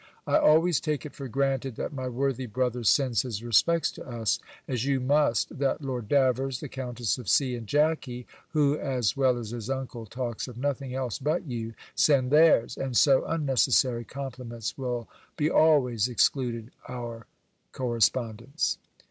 I always take it for granted, that my worthy brother sends his respects to us; as you must, that Lord Davers, the Countess of C. and Jackey (who, as well as his uncle, talks of nothing else but you), send theirs; and so unnecessary compliments will be always excluded our correspondence.